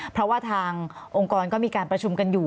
เพราะว่าทางองค์กรก็มีการประชุมกันอยู่